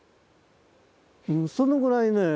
そのぐらいね